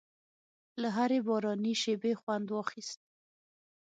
له هرې باراني شېبې خوند واخیست.